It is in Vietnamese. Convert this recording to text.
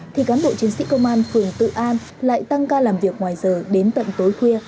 thì cán bộ chiến sĩ công an phường tự an lại tăng ca làm việc ngoài giờ đến tận tối khuya